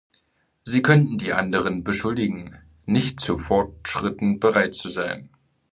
Sie könnten die anderen beschuldigen, nicht zu Fortschritten bereit zu sein.